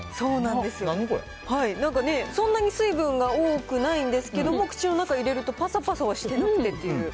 なんかね、そんなに水分が多くないんですけれども、口の中入れるとぱさぱさはしてなくてっていう。